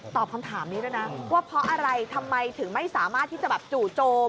คำถามนี้ด้วยนะว่าเพราะอะไรทำไมถึงไม่สามารถที่จะแบบจู่โจม